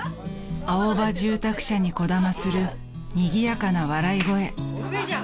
［アオバ住宅社にこだまするにぎやかな笑い声］